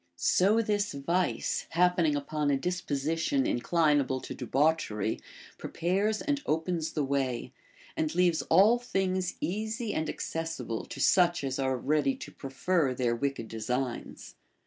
t So this vice, happening upon a disposition inclinable to debauchery, prepares and opens the way, and leaves all things easy and accessible to such as are ready to prefer their Λvicked designs.